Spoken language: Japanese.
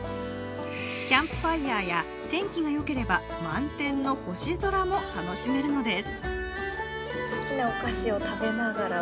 キャンプファイヤーや、天気がよければ満天の星空も楽しめるのです。